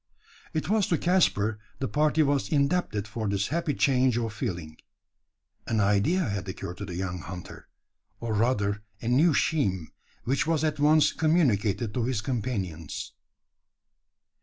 It was to Caspar the party was indebted for this happy change of feeling. An idea had occurred to the young hunter or rather a new scheme which was at once communicated to his companions.